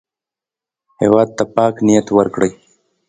هېواد ته پاک نیت ورکړئ